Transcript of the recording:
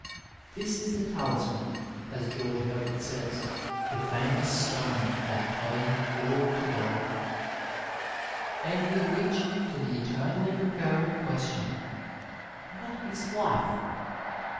This is the talis man, as George Herbert says, The famous stone That turneth all to gold, and with which, to the eternally A WAY recurring question, What is Life?